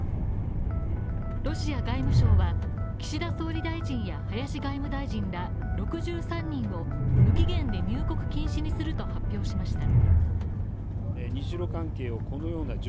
ロシア外務省は岸田総理大臣や林外務大臣ら６３人を無期限で入国禁止にすると発表しました。